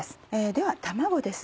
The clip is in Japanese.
では卵です。